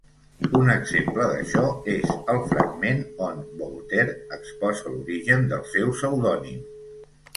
Un exemple d'això és el fragment on Voltaire exposa l'origen del seu pseudònim.